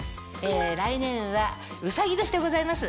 来年はうさぎ年でございます。